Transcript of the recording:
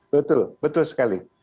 betul betul sekali